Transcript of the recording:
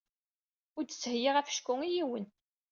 Ur d-ttheyyiɣ afecku i yiwen.